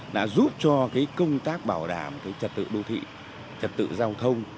đã giúp cho công tác bảo đảm trật tự đô thị trật tự giao thông